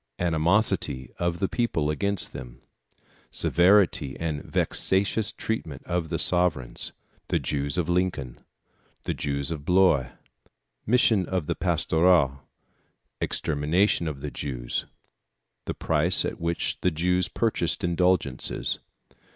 Animosity of the People against them Severity and vexatious Treatment of the Sovereigns. The Jews of Lincoln. The Jews of Blois. Mission of the Pastoureaux. Extermination of the Jews. The Price at which the Jews purchased Indulgences.